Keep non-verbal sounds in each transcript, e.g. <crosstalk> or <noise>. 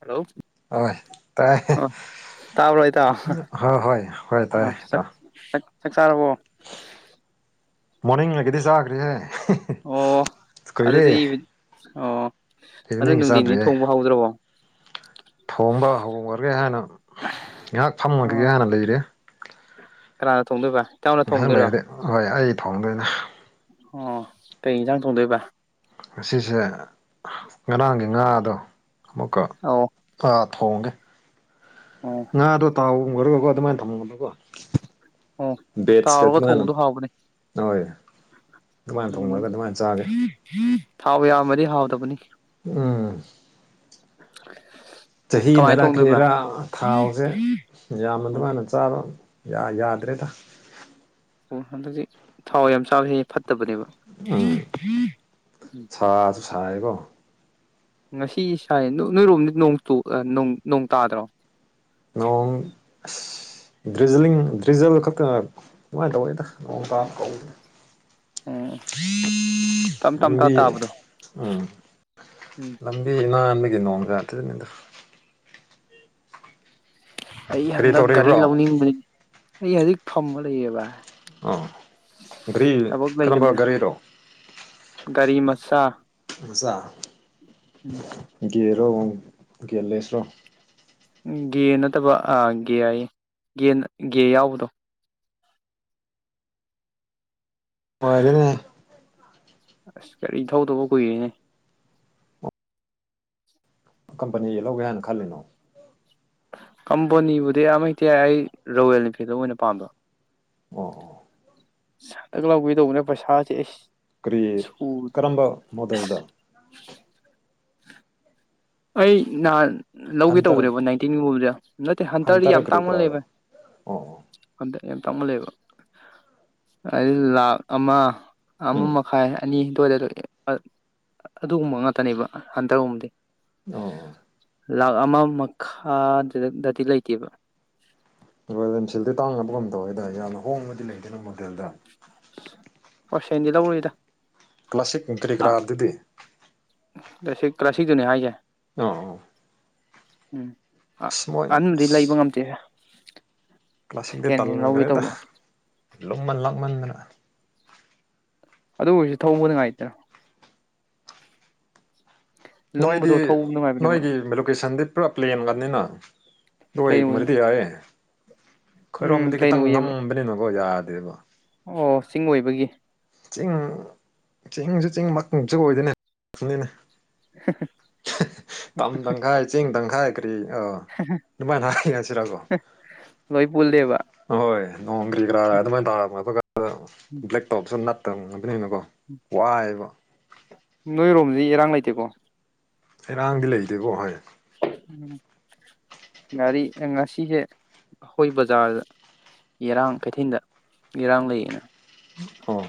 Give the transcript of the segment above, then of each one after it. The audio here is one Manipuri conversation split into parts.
ꯍꯜꯂꯣ ꯑꯣꯏ ꯇꯥꯏ ꯑꯣ ꯇꯥꯕ꯭ꯔꯣ ꯏꯇꯥꯎ ꯍꯣꯏ ꯍꯣꯏ ꯍꯣꯏ ꯇꯥꯏ <unintelligible> ꯏꯇꯥꯎ ꯆꯛ ꯆꯥꯔꯕꯣ ꯃꯣꯔꯅꯤꯡꯉꯒꯤꯗꯤ ꯆꯥꯒ꯭ꯔꯦꯍꯦ ꯑꯣ ꯑꯗꯨꯗꯤ <unintelligible> ꯑꯣ ꯑꯗꯨ ꯏꯚꯤꯅꯤꯡꯒꯤ ꯅꯨꯡꯊꯤꯟꯗꯤ ꯆꯥꯗ꯭ꯔꯤꯌꯦ ꯊꯣꯡꯕ ꯍꯧꯗ꯭ꯔꯕꯣ ꯊꯣꯡꯕ <unintelligible> ꯍꯥꯏꯅ ꯉꯥꯏꯍꯥꯛ ꯐꯝꯃꯨꯒꯤꯒꯦ ꯑꯣ ꯍꯥꯏꯅ ꯂꯩꯔꯦ ꯀꯅꯥꯅ ꯊꯣꯡꯗꯣꯏꯕ ꯏꯇꯥꯎꯅ ꯉꯍꯥꯛ ꯊꯣꯡꯗꯣꯏꯔꯣ ꯂꯩꯔꯗꯤ ꯍꯣꯏ ꯑꯩ ꯊꯣꯡꯗꯣꯏꯅꯤ ꯑꯣ ꯀꯩ ꯏꯟꯖꯥꯡ ꯊꯣꯡꯗꯣꯏꯕ ꯉꯁꯤꯁꯦ ꯉꯔꯥꯡꯒꯤ ꯉꯥꯗꯣ ꯑꯃꯨꯛꯀ ꯑꯣ ꯑꯥ ꯊꯣꯡꯒꯦ ꯑꯣ ꯉꯥꯗꯣ ꯇꯥꯎꯒ꯭ꯔꯒꯀꯣ ꯑꯗꯨꯝꯃꯥꯏꯅ ꯊꯝꯃꯝꯒꯅꯨꯀꫭ ꯑꯣ ꯕꯦꯠꯁꯀ ꯇꯥꯎꯔꯒ ꯊꯣꯡꯕꯗꯣ ꯍꯥꯎꯕꯅꯦ <unintelligible> ꯑꯗꯨꯃꯥꯏꯅ ꯊꯣꯡꯉꯒ ꯑꯗꯨꯃꯥꯏꯅ ꯆꯥꯒꯦ <unintelligible> ꯊꯥꯎ ꯌꯥꯝꯃꯗꯤ ꯍꯥꯎꯇꯕꯅꯤ ꯎꯝ <inaudible> ꯀꯃꯥꯏꯅ ꯆꯍꯤꯅꯔ ꯊꯣꯡꯗꯣꯏꯕ ꯀ꯭ꯔꯤꯔꯥ ꯊꯥꯎꯁꯦ ꯌꯥꯝꯅ ꯎꯝ ꯑꯗꯨꯃꯥꯏꯅ ꯆꯥꯕ ꯌꯥ ꯌꯥꯗ꯭ꯔꯦꯗ ꯑꯣ ꯍꯟꯗꯛꯁꯤ ꯊꯥꯎ ꯌꯥꯝ ꯆꯥꯕꯁꯦ ꯐꯠꯇꯕꯅꯦꯕ ꯁꯥꯏꯌꯦꯀꫭ ꯉꯁꯤ ꯁꯥꯏ ꯅꯣꯏꯔꯣꯝꯗꯤ ꯅꯣꯡ ꯅꯣꯡ ꯇꯥꯗ꯭ꯔꯣ ꯅꯣꯡ ꯑꯁ ꯗ꯭ꯔꯤꯖꯂꯤꯡ ꯗ꯭ꯔꯤꯖꯜ ꯈꯛꯇꯪ ꯑꯗꯨꯝꯃꯥꯏ ꯇꯧꯋꯦꯗ ꯅꯣꯡ ꯇꯥꯕ ꯀꯧꯗꯦ ꯎꯝ ꯇꯞ ꯇꯞ ꯇꯥ ꯂꯝꯕꯤ ꯇꯥꯕꯗꯣ ꯑ ꯎꯝ ꯂꯝꯕꯤ ꯅꯥꯟꯕꯒꯤ ꯅꯣꯡ ꯖꯥꯠꯇꯤꯅꯤꯗ ꯑꯩ ꯀꯔꯤ ꯍꯟꯗꯛ ꯒꯥꯔꯤ ꯇꯧꯔꯤꯕ꯭ꯔꯣ ꯂꯧꯅꯤꯡꯕꯅꯦ ꯑꯩ ꯍꯧꯖꯤꯛ ꯐꯝꯃ ꯂꯩꯌꯦꯕ ꯑꫭ ꯒꯥꯔꯤ ꯊꯕꯛ ꯀꯔꯝꯕ ꯂꯩꯇꯕꯅꯤꯅ ꯒꯥꯔꯤꯔꯣ ꯒꯥꯔꯤ ꯃꯆꯥ ꯃꯆꯥ ꯎꯝ ꯒ꯭ꯌꯤꯔꫭ ꯒ꯭ꯌꯤꯂꯦꯁꯔꫭ ꯒꯦ ꯅꯠꯇꯕ ꯑ ꯒꯦ ꯍꯥꯏꯌꯦ ꯒꯦ ꯒꯦ ꯌꯥꯎꯕꯗꫭ ꯄꯥꯏꯔꯦꯅꯦ ꯑꯁ ꯒꯥꯔꯤ ꯊꯧꯗꯧꯕ ꯀꯨꯏꯔꯦꯅꯦ ꯀꯝꯄꯅꯤꯒꯤ ꯂꯧꯒꯦ ꯍꯥꯏꯅ ꯈꯜꯂꯤꯅꯣ ꯀꯝꯄꯣꯅꯤꯕꯨꯗꯤ ꯑꯃ ꯍꯦꯛꯇ ꯌꯥꯏ ꯑꯩ ꯔꯣꯋꯦꯜ ꯏꯟꯐꯤꯜꯗꯣ ꯑꯣꯏꯅ ꯄꯥꯝꯕ ꯑꯣ ꯑꫭ <unintelligible> ꯂꯧꯒꯦ ꯇꯧꯕꯅꯦ ꯄꯩꯁꯥꯖꯦ ꯏꯁ ꯀꯔꯤ ꯀꯔꯝꯕ ꯃꯣꯗꯜꯗ ꯑꯩ ꯅꯍꯥꯟ ꯂꯧꯒꯦ ꯍꯟꯇꯔ ꯇꯧ꯭ꯕꯅꯦꯕ ꯅꯥꯏꯟꯇꯤꯟ ꯒꯨꯝꯕꯖꯦ ꯅꯠꯇꯦ ꯍꯟꯇꯔꯗꯤ ꯍꯟꯇꯔ ꯌꯥꯝ ꯀꯔꯤ ꯇꯥꯡꯃꯜꯂꯦ ꯀꯔꯥꯔꯣ ꯕꯥꯏ ꯑꯣ ꯑꯣ ꯍꯟꯗ ꯌꯥꯝ ꯇꯥꯡꯃꯜꯂꯦꯕ ꯍꯥꯏ ꯂꯥꯈ ꯑꯃ ꯑꯃ ꯎꯝ ꯃꯈꯥꯏ ꯑꯅꯤ ꯇꯣꯏꯗ ꯂꯩꯌꯦ ꯑ ꯑꯗꯨꯒꯨꯝꯕ ꯉꯥꯛꯇꯅꯦꯕ ꯍꯟꯗꯒꯨꯝꯕꯗꯤ ꯑꯣ ꯂꯥꯛ ꯑꯃ ꯃꯈꯥꯗ ꯗꯗꯤ ꯂꯩꯇꯦꯕ ꯔꯣꯑꯜꯁꯤꯜꯗꯤ ꯇꯥꯡꯅꯕ ꯉꯝꯗꯧꯦꯗ ꯌꯥꯝꯅ ꯍꯣꯡꯕꯗꯤ ꯂꯩꯇꯦꯗ ꯃꯣꯗꯦꯜꯗ ꯍꯣꯁꯦꯟꯗꯤ ꯂꯧꯔꯣꯏꯗ ꯀ꯭ꯂꯥꯁꯤꯛ ꯏꯟꯀꯔꯤ ꯒꯔꯥꯗꯨꯗꯤ ꯀ꯭ꯂꯁꯤꯛ ꯀ꯭ꯂꯥꯁꯤꯛꯇꯨꯅꯦ ꯍꯥꯏꯁꯦ ꯑꯥ ꯑꯥ ꯎꯝ ꯑꯍꯟꯗꯤ ꯂꯩꯕ ꯉꯝꯗꯦꯍꯦ ꯀ꯭ꯂꯥꯁꯇꯤꯛꯇ ꯇꯜꯈ꯭ꯔꯦꯗ ꯇꯧꯕ ꯂꯨꯝꯃꯟ ꯂꯥꯛꯃꯟꯗꯅ ꯑꯗꯨ ꯑꯣꯏꯔꯁꯨ ꯊꯣꯡꯕ ꯅꯨꯉꯥꯏꯗꯅ ꯅꯣꯏꯗꯤ ꯅꯨꯡꯉꯥꯏꯕꯅꯦꯕ ꯅꯣꯏꯒꯤ ꯂꯣꯀꯦꯁꯟꯗꯤ ꯄꯨꯔꯥ ꯄ꯭ꯂꯦꯟꯒꯅꯤꯅ ꯅꯣꯏ ꯄ꯭ꯂꯦꯟ ꯑꯣꯏ ꯒꯨꯝꯕꯗꯤ ꯌꯥꯏꯌꯦ ꯎꯝ ꯈꯣꯏꯔꯣꯝꯃꯗꯤ ꯄ꯭ꯂꯦꯟ ꯈꯤꯇꯪ ꯑꯣꯏꯌꯦꯕ ꯉꯝꯕꯅꯤꯅꯀꯣ ꯌꯥꯗꯦꯕ ꯑꯣ ꯆꯤꯡ ꯑꯣꯏꯕꯒꯤ ꯆꯤꯡ ꯆꯤꯡꯁꯨ ꯆꯤꯡ ꯃꯁꯨ ꯑꯣꯏꯗꯣꯏꯅꯦꯅꯤꯅꯦ ꯇꯝ ꯇꯪꯈꯥꯏ ꯆꯤꯡ ꯇꯪꯈꯥꯏ ꯑ ꯑꯗꯨꯅꯨꯡꯃꯥꯏꯅꯅꯁꯤꯔꯀꯣ ꯂꯣꯏ ꯄꯨꯜꯂꯦꯕ ꯑꯣꯏ ꯅꯣꯡꯒ꯭ꯔꯤ ꯀꯔꯥ ꯑꯗꯨꯃꯥꯏꯅ ꯇꯥꯔꯝ ꯑꯗꯨꯒ ꯕ꯭ꯂꯦꯛ ꯇꯧꯕꯁꯨ ꯅꯠꯇꯕ ꯑꯗꯨꯅꯅꯤꯀꯣ ꯋꯥꯏꯑꯕ ꯅꯣꯏꯔꯣꯝꯁ ꯏꯔꯥꯡ ꯂꯩꯇꯦꯀꯣ ꯏꯔꯥꯡꯗꯤ ꯂꯩꯇꯦꯀꯣ ꯍꯣꯏ ꯎꯝ ꯒꯥꯔꯤ ꯉꯁꯤꯁꯦ ꯑꯩꯈꯣꯏ ꯕꯖꯥꯔꯗ ꯏꯔꯥꯡ ꯀꯩꯊꯦꯜꯗ ꯏꯔꯥꯡ ꯂꯩꯌꯦꯅ ꯑꯣ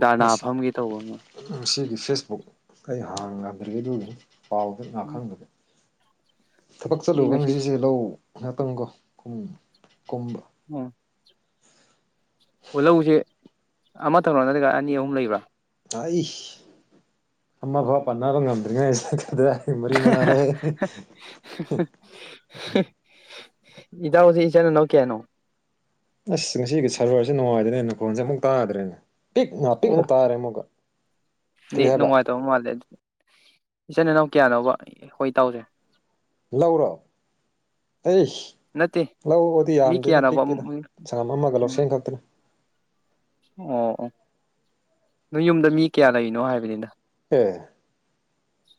ꯗꯔꯅ ꯃꯁꯤ ꯐꯝꯒꯦ ꯇꯧꯕ ꯃꯣꯏ ꯉꯁꯤꯒꯤ ꯐꯦꯁꯕꯨꯛ ꯑꯩ ꯍꯥꯡꯅ ꯉꯗ꯭ꯒꯦ ꯄꯥꯎꯗꯣ ꯀꯌꯥ ꯈꯪꯗꯕ ꯊꯕꯛ ꯑꯩ ꯆꯠꯂꯕꯒ ꯉꯁꯤ ꯉꯁꯤꯁꯦ ꯂꯧ ꯉꯥꯛꯇꯪꯀꯣ ꯀꯨꯝꯕ ꯎꯝ ꯑꯣ ꯂꯧꯁꯦ ꯑꯃꯠꯇꯪꯔ ꯅꯠꯇ꯭ꯔꯒ ꯑꯅꯤ ꯑꯍꯨꯝ ꯂꯩꯕ꯭ꯔꯥ ꯑꯩꯁ ꯑꯃꯥ ꯐꯥꯎ ꯄꯟꯅꯕ ꯉꯝꯗ꯭ꯔꯤꯉꯩꯁꯤꯗ ꯑꯗꯨ ꯃꯔꯤ ꯃꯉꯥꯔꯣꯏ ꯏꯗ ꯏꯇꯥꯎꯁꯦ ꯏꯆꯤꯟ ꯏꯅꯥꯎ ꯀꯌꯥꯅꯣ ꯑꯁ ꯉꯁꯤꯒꯤ ꯁꯥꯔꯚꯔꯁꯦ ꯅꯨꯡꯉꯥꯏꯗꯅꯦꯩꯅ ꯐꯣꯟꯁꯦ ꯑꯃꯨꯛ ꯇꯥꯗ꯭ꯔꯦꯅꯦ ꯄꯤꯛꯅ ꯄꯤꯛꯅ ꯇꯥꯔꯦ ꯑꯃꯨꯛꯀ ꯀꯔꯤ ꯅꯠ ꯍꯥꯏꯕ ꯅꯨꯡꯉꯥꯏꯇꯕ ꯃꯥꯜꯂꯦ ꯑꯗꯨ ꯏꯆꯤꯟ ꯏꯅꯥꯎ ꯀꯌꯥꯅꯧꯕ ꯑꯩꯈꯣꯏ ꯏꯇꯥꯎꯁꯦ ꯂꯧꯔꯣ ꯑꯩꯁ ꯅꯠꯇꯦ ꯂꯥꯛꯎ ꯑꯗꯨꯗꯤ ꯃꯤ ꯌꯥꯝꯗꯦꯅ ꯀꯌꯥꯅꯣꯕ ꯄꯤꯛꯀꯤꯦꯗ ꯎꯝ ꯁꯪꯉꯝ ꯑꯃꯒ ꯂꯧꯁꯦꯡ ꯈꯛꯇꯅ ꯑꯣ ꯑꯣ ꯅꯣꯏ ꯌꯨꯝꯗ ꯃꯤ ꯀꯌꯥ ꯂꯩꯔꯤꯅꯣ ꯍꯥꯏꯕꯅꯤꯗ ꯑꯦ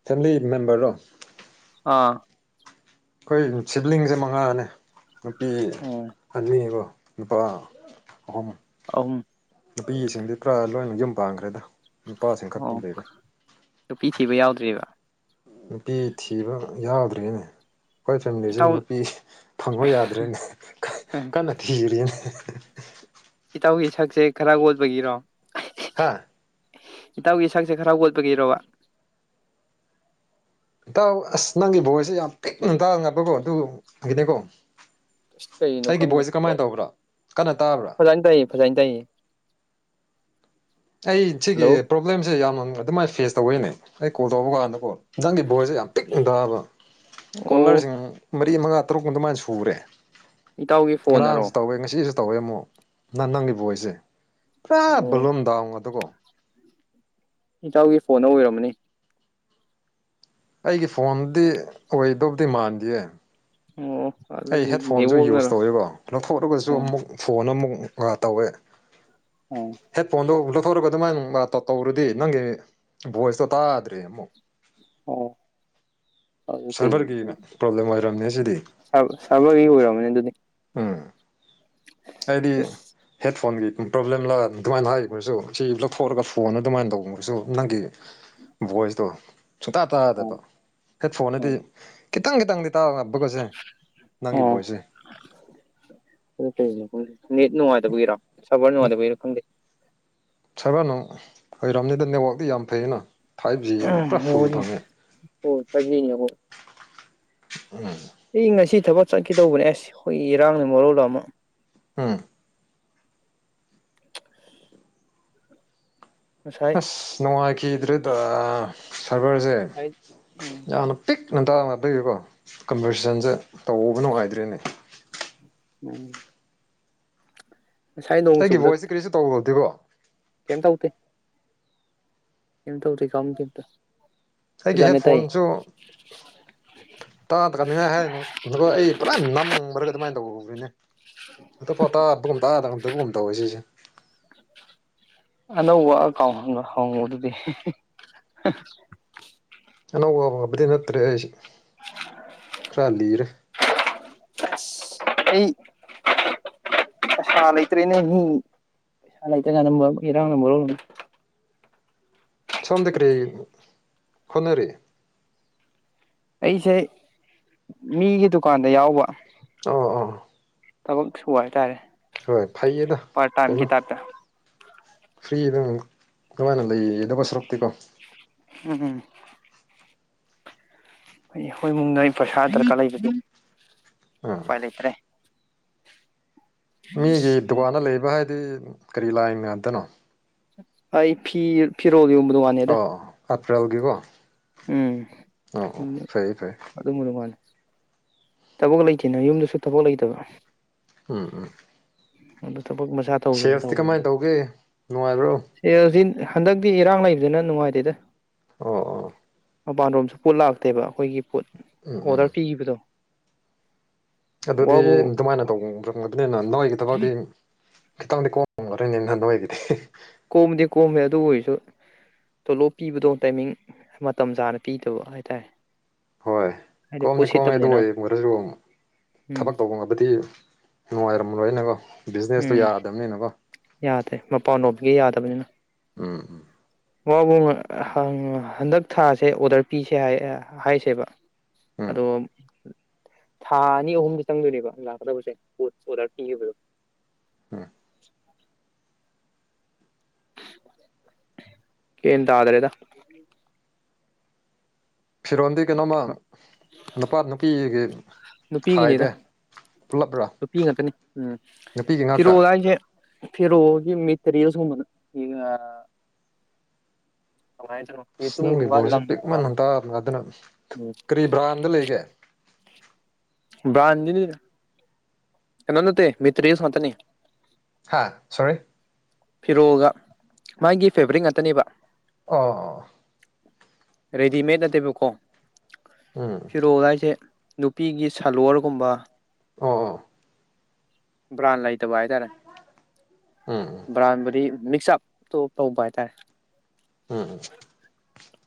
ꯐꯦꯃꯂꯤ ꯃꯦꯝꯕꯔꯔꯣ ꯑꯥ ꯑꯩꯈꯣꯏ ꯁꯤꯕ꯭ꯂꯤꯡꯁꯦ ꯃꯉꯥꯅꯦ ꯅꯨꯄꯤ ꯑꯣ ꯑꯅꯤꯀꯣ ꯅꯨꯄꯥ ꯑꯍꯨꯝ ꯑꯍꯨꯝ ꯅꯨꯄꯤꯁꯤꯡꯗꯤ ꯈꯔꯥ ꯂꯣꯏꯅ ꯌꯨꯝ ꯄꯥꯟꯈ꯭ꯔꯦꯗ ꯅꯨꯄꯥꯁꯤꯡ ꯈꯛꯇ ꯑꯣ ꯂꯩꯔꯦ ꯅꯨꯄꯤ ꯊꯤꯕ ꯌꯥꯎꯗ꯭ꯔꯤꯕ ꯅꯨꯄꯤ ꯊꯤꯕ ꯌꯥꯎꯗ꯭ꯔꯤꯅꯦ ꯈꯣꯏ ꯐꯦꯃꯤꯂꯤ ꯏꯇꯥꯎ ꯅꯨꯄꯤ ꯐꯪꯉꯣ ꯌꯥꯗ꯭ꯔꯦꯅꯦ ꯀꯟꯅ ꯊꯤꯔꯤꯅꯦ ꯏꯇꯥꯎꯒꯤ ꯁꯛꯁꯦ ꯈꯔ <unintelligible> ꯄꯒꯤꯔꯣ ꯍꯥꯥ ꯏꯇꯥꯎꯒꯤ ꯏꯁꯛꯁꯦ ꯈꯔ ꯑꯣꯠꯄꯒꯤꯔꯕ ꯏꯇꯥꯎ ꯑꯁ ꯅꯪꯒꯤ ꯚꯣꯏꯁꯦ ꯌꯥꯝ ꯄꯤꯛꯅ ꯇꯉꯝꯕꯀꯣ ꯑꯗꯨꯕꯨ ꯍꯩꯇꯦꯀꯣ ꯑꯁ ꯀꯩꯅꯣ ꯑꯩꯒꯤ ꯈꯪꯗꯦ ꯚꯣꯏꯁꯁꯦ ꯀꯃꯥꯏ ꯇꯧꯕ꯭ꯔ ꯀꯟꯅ ꯇꯥꯕ꯭ꯔ ꯐꯖꯅ ꯇꯥꯏꯌꯦ ꯐꯖꯅ ꯇꯥꯏꯌꯦ ꯑꯩ ꯁꯤꯒꯤ ꯍꯜꯂꯣ ꯄ꯭ꯔꯣꯕ꯭ꯂꯦꯝꯁꯦ ꯌꯥꯝꯅ ꯑꯗꯨꯃꯥꯏ ꯐꯦꯁ ꯇꯧꯕꯩꯅꯦ ꯑꯩ ꯀꯣꯜ ꯇꯧꯕ ꯀꯥꯟꯗꯀꯣ ꯅꯪꯒꯤ ꯚꯣꯏꯁꯖꯦ ꯌꯥꯝ ꯄꯤꯛꯅ ꯇꯥꯕ ꯑꯣ ꯀꯣꯂꯔꯖꯤꯡ ꯃꯔꯤ ꯃꯉꯥ ꯇꯔꯨꯛ ꯑꯗꯨꯃꯥꯏ ꯏꯇꯥꯎꯒꯤ ꯐꯣꯟꯅꯔꯣ ꯉꯔꯥꯡꯁꯨ ꯇꯧꯋꯦ ꯉꯁꯤꯁꯨ ꯇꯧꯋꯦ ꯑꯃꯨꯛ ꯅ ꯅꯪꯒꯤ ꯕꯣꯏꯁꯦ ꯄꯨꯔꯥ ꯑꯣ ꯕꯣꯂꯨꯝ ꯗꯥꯎꯟ ꯉꯥꯛꯇꯀꯣ ꯏꯇꯥꯎꯒꯤ ꯐꯣꯟꯗ ꯑꯣꯏꯔꯝꯃꯅꯤ ꯑꯩꯒꯤ ꯐꯣꯟꯗꯤ ꯑꯣꯏꯗꯧꯕꯗꯤ ꯃꯥꯟꯗꯤꯌꯦ ꯑꯣ ꯑꯩ ꯑꯗꯨꯗꯤ ꯍꯦꯠ ꯐꯣꯟꯖꯨ ꯌꯨꯁ ꯅꯦꯠꯋꯥꯛꯅꯔꯣ ꯇꯧꯋꯦꯀꯣ ꯂꯧꯊꯣꯛꯑꯒꯁꯨ ꯑꯣ ꯑꯃꯨꯛ ꯐꯣꯟ ꯑꯃꯨꯛ ꯑ ꯇꯧꯋꯦ ꯑꯣ ꯍꯦꯠ ꯐꯣꯟꯗꯣ <unintelligible> ꯊꯧꯔꯒ ꯑꯗꯨꯃꯥꯏꯅ ꯇ ꯇꯧꯔꯨꯗꯤ ꯅꯪꯒꯤ ꯚꯣꯏꯁꯇꯣ ꯇꯥꯗ꯭ꯔꯦ ꯑꯃꯨꯛ ꯑꯣ ꯑꯗꯨ ꯁꯔꯚꯔꯒꯤ ꯀꯩꯒꯤꯅꯣ ꯄ꯭ꯔꯣꯕ꯭ꯂꯦꯝ ꯑꯣꯏꯔꯝꯅꯦ ꯁꯤꯗꯤ ꯁꯥꯔ ꯁ꯭ꯥꯔꯚꯔꯒꯤ ꯑꯣꯏꯔꯝꯒꯅꯤ ꯑꯗꯨꯗꯤ ꯎꯝ ꯍꯥꯏꯗꯤ ꯑꯁ ꯍꯦꯠ ꯐꯣꯟꯒꯤ ꯄ꯭ꯔꯣꯕ꯭ꯂꯦꯝꯂ ꯑꯗꯨꯃꯥꯏꯅ ꯍꯥꯏꯔꯒꯁꯨ ꯁꯤ ꯂꯧꯊꯣꯛꯂꯒ ꯐꯣꯟ ꯑꯗꯨꯃꯥꯏꯅ ꯇꯧꯕꯅꯁꯨ ꯅꯪꯒꯤ ꯅꯪꯒꯤ ꯚꯣꯏꯁꯇꯣ ꯁꯨꯡꯇꯥ ꯑꯣ ꯇꯥꯗꯕ ꯍꯦꯠ ꯐꯣꯟꯅꯗꯤ ꯈꯤꯇꯪ ꯈꯤꯇꯪꯗꯤ ꯇꯥ ꯉꯝꯕꯒꯁꯦ ꯅꯪꯒꯤ ꯑꯣ ꯕꯣꯏꯁꯦ ꯀꯩꯅꯣ ꯅꯦꯠ ꯅꯨꯡꯉꯥꯏꯇꯕꯒꯤꯔꯣ ꯁꯥꯔꯚꯔ ꯅꯨꯡꯉꯥꯏꯇꯕꯒꯤꯔ ꯈꯪꯗꯦ ꯁꯥꯚꯔ ꯅ ꯑꯣꯏꯔꯔꯕꯝꯅꯤꯗ ꯅꯦꯠꯋꯥꯛꯇꯤ ꯌꯥꯝ ꯐꯩꯌꯦꯅ ꯐꯥꯏꯚꯖꯤ ꯄꯨꯔꯥ ꯐꯨꯜ ꯅꯦꯠꯋꯥꯛꯗꯤ ꯐꯪꯉꯦ ꯍꯣꯏ ꯐꯥꯏꯚ ꯖꯤꯅꯤ ꯑꯩꯈꯣꯏ ꯑꯩ ꯉꯁꯤ ꯊꯕꯛ ꯆꯠꯈꯤꯗꯧꯕꯅꯦ ꯑꯁ ꯑꯩꯈꯣꯏ ꯏꯔꯥꯡꯅꯤ ꯃꯔꯣꯜ ꯑꯃ ꯎꯝ ꯉꯁꯥꯏ ꯑꯁ ꯅꯨꯡꯉꯥꯏꯈꯤꯗ꯭ꯔꯦꯗ ꯁꯥꯔꯚꯔꯁꯦ ꯉꯁꯥꯏ ꯎꯝ ꯌꯥꯝꯅ ꯄꯤꯛ ꯉꯟꯇꯥꯅ ꯄꯤꯕ ꯀꯟꯚꯔꯁꯦꯟꯖꯦ ꯇꯧꯕ ꯅꯨꯡꯉꯥꯏꯇ꯭ꯔꯦꯅꯦ ꯎꯝ ꯉꯁꯥꯏ ꯅꯣꯡ ꯑꯩꯒꯤ ꯆꯨꯕꯗ ꯚꯣꯏꯁꯁꯦ ꯀꯔꯤꯁꯨ ꯇꯧꯗꯕꯗꯤꯀꯣ ꯀꯩꯝ ꯇꯧꯗꯦ ꯀꯩꯝ ꯇꯧꯗꯦ ꯀꯝ ꯇꯧꯗꯦ ꯑꯩꯒꯤ ꯍꯦꯠꯐꯣꯟꯁꯨ ꯇꯥꯗ꯭ꯔꯝꯅꯤꯅ ꯍꯥꯏꯅꯨ ꯑꯗꯨꯒ ꯑꯩ ꯄꯨꯔꯥ ꯅꯝꯒ꯭ꯔꯒ ꯑꯗꯨꯃꯥꯏꯅ ꯇꯧꯕꯅꯤꯅꯦ <unintelligible> ꯇꯥꯗꯕꯒꯨꯝ ꯇꯧꯋꯦ ꯁꯤꯁꯦ <unintelligible> ꯑꯅꯧꯕ ꯑꯀꯥꯎꯟ ꯍꯪ ꯍꯪꯕꯗꯨꯗꯤ <unintelligible> ꯑꯅꯧꯕ ꯍꯧꯕꯗꯤ ꯅꯠꯇ꯭ꯔꯦ ꯑꯩ ꯈꯔ ꯂꯤꯔꯦ ꯑꯩ <unintelligible> ꯄꯩꯁꯥ ꯂꯩꯇ꯭ꯔꯦꯅꯦ ꯃꯤ ꯄꯩꯁꯥ ꯂꯩꯇ꯭ꯔꯤꯉꯥꯏꯗ ꯏꯔꯥꯡꯅ ꯃꯔꯣꯟ ꯑꯃ ꯁꯣꯝꯗꯤ ꯀ꯭ꯔꯤ ꯍꯣꯠꯅꯔꯤ ꯑꯩꯁꯦ ꯃꯤꯒꯤ ꯗꯨꯀꯥꯟꯗ ꯌꯥꯎꯕ ꯑꯣ ꯑꯣ ꯊꯕꯛꯁꯨ ꯋꯥ ꯇꯥꯏꯔꯦ ꯍꯣꯏ ꯐꯥꯏꯌꯦꯗ ꯀꯩꯅꯣ ꯐ꯭ꯔꯤꯗꯪ ꯅꯨꯉꯥꯏꯅ ꯂꯩꯒꯗꯕ ꯁꯔꯨꯛꯇꯤꯀꯣ ꯎꯝꯝ ꯍ ꯍꯣꯏ ꯃꯨꯡꯗ ꯑꯩ ꯄꯩꯁꯥ ꯗꯔꯀꯥꯔ ꯂꯩꯕꯗꯤ ꯑꯥ ꯎꯄꯥꯏ ꯂꯩꯇ꯭ꯔꯦ ꯃꯤꯒꯤ ꯗꯨꯀꯥꯟꯗ ꯂꯩꯕ ꯍꯥꯏꯗꯤ ꯀꯔꯤ ꯂꯥꯏꯟ ꯉꯥꯛꯇꯅꯣ ꯑꯩ ꯐꯤ ꯐꯤꯔꯣꯜ ꯗꯨꯀꯥꯟꯅꯦꯗ ꯑꯣ ꯑꯦꯄ꯭ꯔꯜꯒꯤꯀꯣ ꯎꯝ ꯑ ꯐꯩ ꯐꯩ ꯑꯗꯨꯝꯕ ꯗꯨꯀꯥꯟꯅꯦ ꯊꯕꯛ ꯂꯩꯇꯦꯅ ꯌꯨꯝꯗꯁꯨ ꯊꯕꯛ ꯂꯩꯇꯕ ꯎꯝ ꯎꯝ ꯑꯗꯨ ꯊꯕꯛ ꯃꯁꯥ ꯇꯧꯒꯦꯅ ꯁꯦꯜꯁꯇꯤ ꯇꯧꯕꯅꯦ ꯀꯃꯥꯏꯅ ꯇꯧꯒꯦ ꯅꯨꯡꯉꯥꯏꯕ꯭ꯔꯣ ꯁꯜ ꯍꯟꯗꯛꯇꯤ ꯏꯔꯥꯡ ꯂꯩꯕꯅꯤꯅ ꯅꯨꯡꯉꯥꯏꯇꯦꯗ ꯑꯣ ꯑꯣ ꯃꯄꯥꯟ ꯔꯣꯝꯁꯨ ꯄꯣꯠ ꯂꯥꯛꯇꯦꯕ ꯑꯩꯈꯣꯏꯒꯤ ꯄꯣꯠ ꯎꯝ ꯎꯝ ꯑꯣꯔꯗꯔ ꯄꯤꯈꯤꯕꯗꯣ ꯑꯗꯨꯗꯤ ꯋꯥꯕꯨ ꯑꯗꯨꯃꯥꯏꯅ ꯇꯧꯕ ꯑꯗꯨꯅꯤꯅ ꯅꯣꯏꯒꯤ ꯊꯕꯛꯇꯗꯤ ꯈꯤꯇꯪꯗꯤ ꯀꯣꯉꯝꯒꯅꯤꯅ ꯅꯣꯏꯒꯤꯗꯤ ꯀꯣꯝꯗꯤ ꯀꯣꯝꯃꯦ ꯑꯗꯨ ꯑꯣꯏꯁꯨ ꯇꯣꯂꯣꯞ ꯄꯤꯕꯗꯣ ꯇꯥꯏꯃꯤꯡ ꯃꯇꯝ ꯆꯥꯅ ꯄꯤꯗꯕ ꯍꯥꯏꯇꯥꯔꯦ ꯍꯣꯏ ꯍꯥꯏꯗꯤ ꯄꯣꯠ ꯀꯣꯝꯗꯤ ꯀꯣꯝꯃꯦ ꯑꯗꯨ ꯁꯤꯠꯇꯕꯅꯤꯅ ꯑꯣꯏꯔꯁꯨ ꯎꯝ ꯊꯕꯛ ꯇꯧꯕ ꯉꯕꯗꯤ ꯅꯨꯡꯉꯥꯏꯔꯝꯣꯏꯅꯦꯀꯣ ꯎꯝ ꯌꯥꯗ꯭ꯔꯦ ꯃꯄꯅꯑꯣꯞꯀꯦ ꯌꯥꯗꯕꯅꯤꯅ ꯎꯝ ꯎꯝ ꯋꯥꯕꯨ ꯍꯪ ꯍꯟꯗꯛ ꯊꯥꯁꯦ ꯑꯣꯔꯗꯔ ꯄꯤꯁꯦ ꯍꯥꯏꯁꯦꯕ ꯎꯝ ꯑꯗꯣ ꯊꯥ ꯑꯅꯤ ꯑꯍꯨꯝ ꯈꯤꯇꯪꯗꯨꯅꯦꯕ ꯂꯥꯛꯀꯗꯕꯁꯦ ꯄꯣꯠ ꯑꯣꯔꯗꯔ ꯄꯤꯈꯤꯕꯗꯣ ꯎꯝ ꯀꯟ ꯇꯗꯔꯦꯗ ꯐꯤꯔꯣꯟꯜꯗꯤ ꯀꯩꯅꯣꯃ ꯅꯨꯄꯥ ꯅꯨꯄꯤꯒꯤ ꯅꯨꯄꯤꯒꯤꯅꯤꯗ ꯈꯥꯏꯗꯦ ꯄꯨꯜꯂꯞ꯭ꯔꯥ ꯅꯨꯄꯤ ꯉꯥꯛꯇꯅꯤ ꯎꯝ ꯅꯨꯄꯤꯒꯤ ꯉꯥꯛꯇ ꯐꯤꯔꯣꯜ ꯍꯥꯏꯁꯦ ꯐꯤꯔꯣꯜꯒꯤ ꯃꯦꯇꯔꯤꯌꯦꯜ ꯁꯨꯝꯒꯨꯃꯕꯅ ꯑꯁ ꯌꯦꯇꯨꯝ ꯅꯪꯒꯤ ꯒꯨꯝꯕ ꯕꯣꯔꯁꯦ ꯂꯪꯒꯨꯝꯕ ꯄꯤꯛꯃꯟ ꯍꯟꯇꯥ ꯑꯗꯨꯅ ꯀꯔꯤ ꯕ꯭ꯔꯥꯟꯗ ꯂꯩꯒꯦ ꯥꯚꯔꯥꯟꯒꯤꯅꯤꯅ ꯀꯩ ꯅꯣ ꯅꯠꯇ ꯃꯤꯇ꯭ꯔꯦꯁ ꯉꯥꯛꯇꯅꯤ ꯍꯥꯥ ꯁꯣꯔꯤ ꯐꯤꯔꯣꯒ ꯃꯥꯒꯤ ꯐꯦꯕꯔꯤꯛ ꯉꯥꯛꯇꯅꯦꯕ ꯑꯥ ꯔꯦꯗꯤꯃꯦꯗ ꯅꯠꯇꯦꯕꯀꯣ ꯎꯝ ꯐꯤꯔꯣꯜ ꯍꯥꯏꯁꯦ ꯅꯨꯄꯤꯒꯤ ꯁꯥꯂꯣꯔꯋꯥꯔꯒꯨꯝꯕ ꯑꯥ ꯑꯥ ꯚꯔꯟ ꯂꯩ ꯇꯕ ꯍꯥꯏꯇꯔꯦ ꯎꯝ ꯚꯔꯥꯟꯕꯨꯗꯤ ꯃꯤꯛꯁꯑꯞꯇꯣ ꯇꯧꯕ ꯍꯥꯏꯇꯥꯔꯦ ꯎꯝ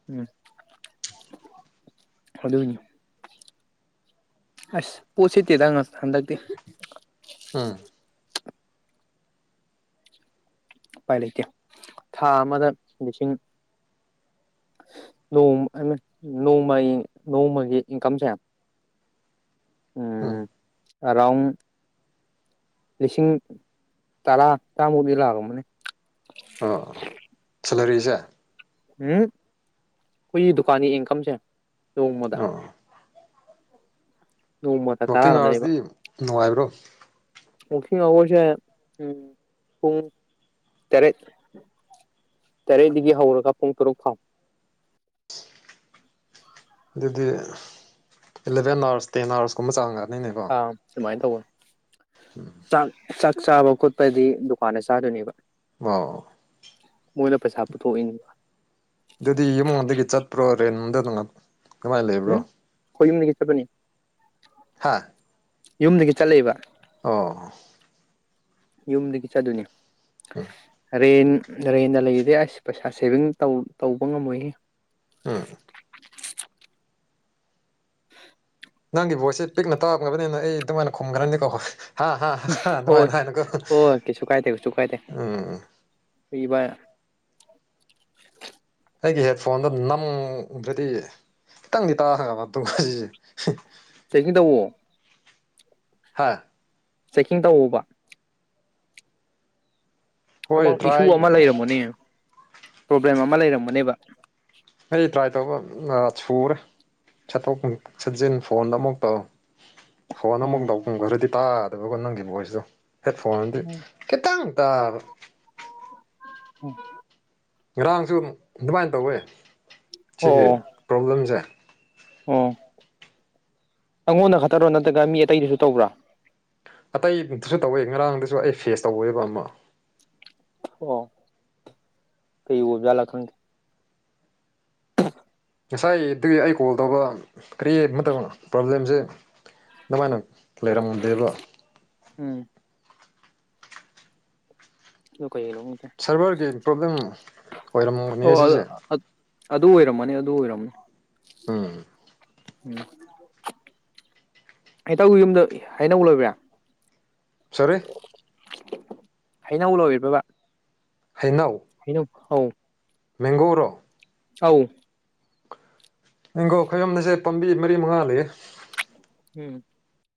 ꯎꯝ ꯑꯗꯨꯅꯦ ꯑꯁ ꯄꯣꯠꯁꯤꯠꯇꯦꯗ ꯉ ꯍꯟꯗꯛꯇꯤ ꯎꯝ ꯎꯄꯥꯏ ꯂꯩꯇꯦ ꯊꯥ ꯑꯃꯗ ꯂꯤꯁꯤꯡ ꯅꯣꯡ ꯅꯣꯃꯩ ꯅꯣꯡꯃꯒꯤ ꯏꯟꯀꯝꯁꯦ ꯎꯝ ꯑꯔꯥꯎꯟ ꯂꯤꯁꯤꯡ ꯇꯔꯥ ꯇꯥꯃꯨꯛꯗꯤ ꯂꯥꯛꯑꯝꯃꯅꯤ ꯑꯣ ꯁꯦꯂꯔꯤꯁꯦ ꯎꯝ ꯑꯩꯈꯣꯏꯒꯤ ꯗꯨꯀꯥꯟꯒꯤ ꯏꯟꯀꯝꯁꯦ ꯅꯣꯡꯃꯗ ꯑꯣ ꯅꯣꯡꯃꯗ ꯇꯔꯥ ꯋꯀꯤꯡ ꯑꯥꯔꯁꯇꯤ ꯅꯨꯡꯉꯥꯏꯕ꯭ꯔꯣ ꯋꯥꯀꯤꯡ ꯑꯋꯔꯁꯦ ꯎꯝ ꯄꯨꯡ ꯇꯔꯦꯠ ꯇꯔꯦꯠꯗꯒꯤ ꯍꯧꯔꯒ ꯄꯨꯡ ꯇꯔꯨꯛ ꯐꯥꯎ ꯑꯗꯨꯗꯤ ꯑꯦꯂꯚꯦꯟ ꯑꯥꯋꯔꯁ ꯇꯦꯟ ꯑꯥꯋꯔꯁꯀꯨꯝꯕ ꯆꯥꯡꯉꯛꯅꯤꯅꯦꯀꯣ ꯑꯗꯨꯃꯥꯏꯅ ꯇꯧꯕꯅ ꯆꯥꯛ ꯆꯥꯛ ꯆꯥꯕ ꯈꯣꯠꯄꯗꯤ ꯗꯨꯀꯥꯟꯗ ꯆꯥꯗꯣꯏꯅꯦꯕ ꯑ ꯃꯣꯏꯅ ꯄꯩꯁꯥ ꯄꯨꯊꯣꯛꯏꯅꯦꯕ ꯑꯗꯨꯗꯤ ꯏꯃꯨꯡꯗꯒꯤ ꯆꯠꯄ꯭ꯔꯣ ꯔꯦꯟꯝꯗ ꯀꯃꯥꯏꯅ ꯂꯩꯕ꯭ꯔꯣ ꯎꯝ ꯑꯩꯈꯣꯏ ꯌꯨꯝꯗꯒꯤ ꯆꯠꯄꯅꯤ ꯍꯥꯥ ꯌꯨꯝꯗꯒꯤ ꯆꯠꯂꯛꯏꯕ ꯑꯣ ꯌꯨꯝꯗꯒꯤ ꯆꯠꯗꯣꯏꯅꯤ ꯔꯦꯟ ꯔꯦꯟꯗ ꯂꯩꯗꯤ ꯑꯁ ꯄꯩꯁꯥ ꯁꯦꯚꯤꯡꯧꯇꯩ ꯇꯧꯕ ꯉꯝꯃꯣꯏꯍꯦ ꯎꯝ <unintelligible> ꯅꯪꯒꯤ ꯚꯣꯏꯁꯁꯦ ꯄꯤꯛꯅ ꯇꯥꯔꯝ꯭ꯔꯕꯅꯤꯅ ꯑꯩ ꯑꯗꯨꯃꯥꯏꯅ ꯈꯨꯝꯈ꯭ꯔꯅꯤꯀꯣ ꯍꯥ ꯅꯨꯡꯉꯥꯏ ꯍꯣꯏ ꯅꯨꯡꯉꯥꯏꯅꯀꯣ ꯍꯣꯏ ꯀꯩꯁꯨ ꯀꯥꯏꯗꯦ ꯀꯩꯁꯨ ꯀꯥꯏꯗꯦ ꯎꯝ ꯏꯕ ꯑꯩꯒꯤ ꯍꯦꯠꯐꯣꯟꯗꯣ ꯅꯝꯗ꯭ꯔꯗꯤ ꯈꯤꯇꯪꯗꯤ ꯇꯥꯈ꯭ꯔꯕ ꯃꯇꯨꯡꯖꯤꯁꯦ ꯆꯦꯛꯀꯤꯡ ꯇꯧꯑꯣ ꯍꯥꯥ ꯆꯦꯛꯀꯤꯡ ꯇꯧꯑꯣꯕ ꯍꯣꯏ ꯑꯃꯛ ꯏꯁꯨ ꯇ꯭ꯔꯥꯏ ꯑꯃ ꯂꯩꯔꯝꯒꯅꯤ ꯄ꯭ꯔꯣꯕ꯭ꯂꯦꯝ ꯑꯃ ꯂꯩꯔꯝꯒꯅꯤꯕ ꯑꯩ ꯇ꯭ꯔꯥꯏ ꯇꯧꯕ ꯁꯨꯔꯦ ꯁꯠꯇꯣꯛ ꯁꯛꯖꯤꯟ ꯐꯣꯟꯗ ꯑꯃꯨꯛ ꯇꯧ ꯍꯣ ꯅ ꯑꯃꯨꯛ ꯑꯣ ꯂꯄꯨꯡ ꯈꯔꯗꯤ ꯇꯥꯗꯕꯀꯣ ꯅꯪꯒꯤ ꯕꯣꯏꯁꯇꯣ ꯍꯦꯠ ꯐꯣꯟꯗꯤ ꯈꯤꯇꯪ ꯇꯥꯕ ꯎꯝ ꯉꯔꯥꯡꯁꯨ ꯑꯗꯨꯃꯥꯏꯅ ꯇꯧꯋꯦ ꯁꯤꯒꯤ ꯄ꯭ꯔꯣꯕ꯭ꯂꯦꯝꯁꯦ ꯎꯝ ꯑꯩꯉꯣꯟꯗ ꯈꯠꯇꯔꯣ ꯅꯠꯇ꯭ꯔꯒ ꯃꯤ ꯑꯇꯩꯗꯨꯁꯨ ꯇꯧꯕ꯭ꯔꯥ ꯑꯇꯩꯗꯨꯁꯨ ꯇꯧꯋꯦ ꯉꯔꯥꯡꯗꯁꯨ ꯑꯩ ꯐꯦꯁ ꯇꯧꯑꯦꯕ ꯑꯃ ꯑꯣ ꯀꯩ ꯑꯣꯖ ꯂ ꯈꯪꯗꯦ <unintelligible> ꯉꯁꯥꯏ ꯑꯗꯨꯒꯤ ꯑꯩ ꯀꯣꯜ ꯇꯧꯕ ꯀꯔꯤ ꯃꯇꯝ ꯃꯇꯝꯅꯣ ꯄ꯭ꯔꯣꯕ꯭ꯂꯦꯝꯁꯦ ꯃꯥꯥꯏꯅ ꯂꯩꯔꯃꯗꯦꯕ ꯎꯝ ꯑꯗꯨ ꯀꯩꯒꯤꯅꯣ ꯈꯪꯗꯦ ꯁꯔꯚꯔꯒꯤ ꯄ꯭ꯔꯣꯕ꯭ꯂꯦꯝ ꯑꯣꯏꯔꯝꯒꯅꯤ ꯑꯣ ꯁꯤꯁꯦ ꯑꯗꯨ ꯑꯣꯏꯔꯝꯃꯅꯤ ꯑꯗꯨ ꯑꯣꯏꯔꯝꯅꯤ ꯎꯝ ꯎꯝ ꯑꯩꯇꯥꯎ ꯌꯨꯝꯗ ꯍꯩꯅꯧ ꯂꯣꯏꯕ꯭ꯔ ꯁꫭꯔꯤ ꯍꯩꯅꯧ ꯂꫭꯏꯔꯤꯕ꯭ꯔꯕ ꯍꯩꯅꯧ ꯑꯎ ꯃꯦꯡꯒꫭꯔꯣ ꯑꯎ ꯃꯦꯡꯒꫭ ꯈꯣꯏꯌꯨꯝꯅꯁꯦ ꯄꯥꯝꯕꯤ ꯃꯔꯤ ꯃꯉꯥ ꯂꯩꯌꯦ <unintelligible>